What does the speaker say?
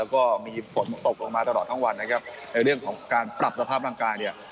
แล้วก็มีฝนตกลงมาตลอดทั้งวันนะครับในเรื่องของการปรับสภาพร่างกายเนี่ย